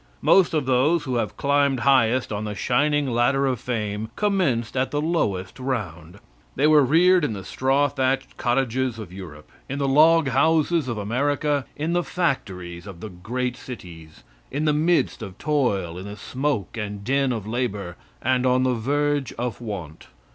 Most of those who have climbed highest on the shining ladder of fame commenced at the lowest round. They were reared in the straw thatched cottages of Europe, in the log houses of America, in the factories of the great cities, in the midst of toil, in the smoke and din of labor, and on the verge of want.